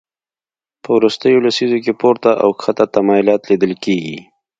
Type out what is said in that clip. په وروستیو لسیزو کې پورته او کښته تمایلات لیدل کېږي